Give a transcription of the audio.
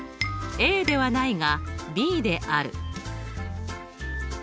ＡではないがＢである。